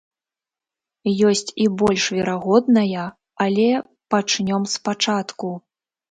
Ёсць і больш верагодная, але пачнём спачатку.